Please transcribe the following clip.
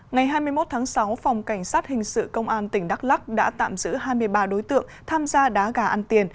ngày hai mươi một tháng sáu phòng cảnh sát hình sự công an tỉnh đắk lắc đã tạm giữ hai mươi ba đối tượng tham gia đá gà ăn tiền